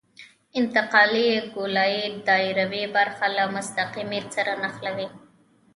انتقالي ګولایي دایروي برخه له مستقیمې سره نښلوي